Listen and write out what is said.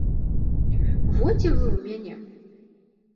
Во дзе вы ў мяне!